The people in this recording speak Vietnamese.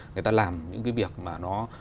người ta làm những cái việc mà nó